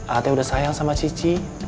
a a teh udah sayang sama cici